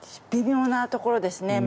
微妙なところですね。